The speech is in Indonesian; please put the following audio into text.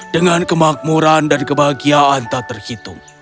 dengan kemakmuran dan kebahagiaan tak terhitung